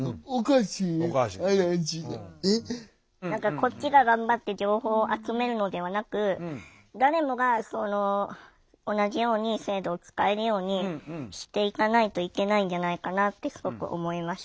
こっちが頑張って情報を集めるのではなく誰もが同じように制度を使えるようにしていかないといけないんじゃないかなってすごく思いました。